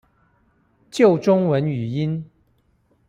救中文語音